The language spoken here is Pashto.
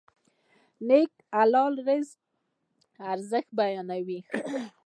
نیکه د حلال رزق ارزښت بیانوي.